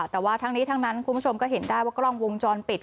แต่ว่าทั้งนี้ทั้งนั้นคุณผู้ชมก็เห็นได้ว่ากล้องวงจรปิด